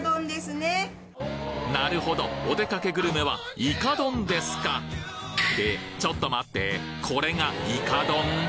なるほどおでかけグルメはイカ丼ですかえちょっと待ってこれがイカ丼？